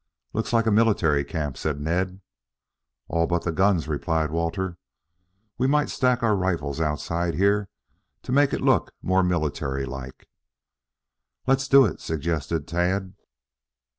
"Looks like a military camp," said Ned. "All but the guns," replied Walter. "We might stack our rifles outside here to make it look more military like." "Let's do it." suggested Tad.